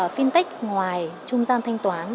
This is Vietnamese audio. fintech ngoài trung gian thanh toán